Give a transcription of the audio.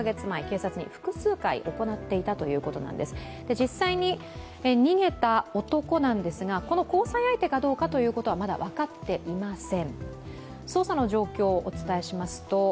実際に逃げた男なんですが、この交際相手かどうかというのは分かっていません。